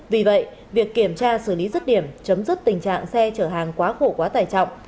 vì vậy việc kiểm tra xử lý rứt điểm chấm dứt tình trạng xe chở hàng quá khổ quá tải trọng